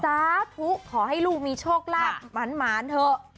สาธุขอให้ลูกมีโชคลาภหมานเถอะ